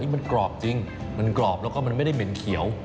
มันกรอบจริงมันกรอบแล้วก็มันไม่ได้เหม็นเขียว